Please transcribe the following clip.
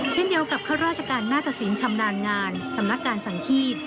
เช่นเดียวกับข้าราชการนาตสินชำนาญงานสำนักการสังฆีต